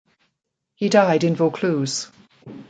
He died in Vaucluse.